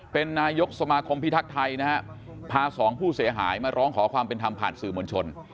เป็นนายกสมาคมพิทักษ์ไทยนะฮะพาสองผู้เสียหายมาร้องขอความเป็นธรรมผ่านสื่อมวลชน